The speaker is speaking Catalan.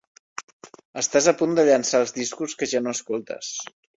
Estàs a punt de llençar els discos que ja no escoltes.